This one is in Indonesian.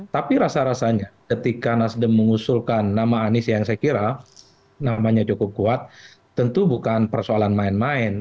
tapi rasa rasanya ketika nasdem mengusulkan nama anies yang saya kira namanya cukup kuat tentu bukan persoalan main main